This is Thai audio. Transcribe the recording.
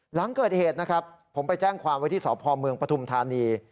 หลังเกิดเหตุนะครับผมไปแจ้งความไว้ที่สพเมืองปฐุมธานี